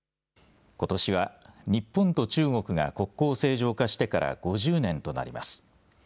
ことしは日本と中国が国交を正常化してから５０年となります。